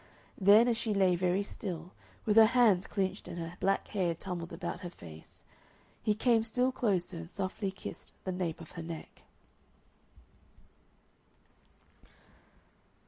Then as she lay very still, with her hands clinched and her black hair tumbled about her face, he came still closer and softly kissed the nape of her neck....